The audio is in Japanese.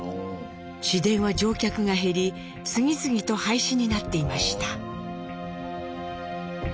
市電は乗客が減り次々と廃止になっていました。